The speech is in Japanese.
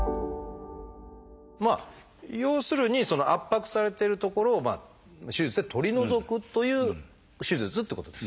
要するにその圧迫されてる所を手術で取り除くという手術ってことですよね。